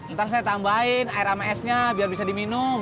ntar saya tambahin air sama esnya biar bisa diminum